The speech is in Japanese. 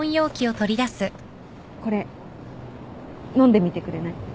これ飲んでみてくれない？